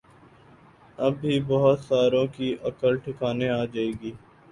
اب بھی بہت ساروں کی عقل ٹھکانے آجائے گی